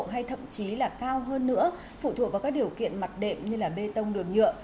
hay thậm chí là cao hơn nữa phụ thuộc vào các điều kiện mặt đệm như bê tông đường nhựa